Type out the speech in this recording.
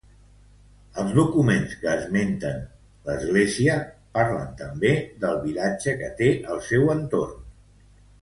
Els documents que esmenten l'església parlen també del vilatge que té al seu entorn.